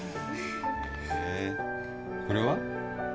へえこれは？